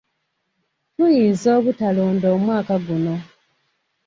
Tuyinza obutalonda omwaka guno.